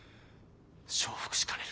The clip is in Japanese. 承服しかねる。